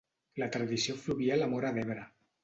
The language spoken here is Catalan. La tradició fluvial a Móra d'Ebre.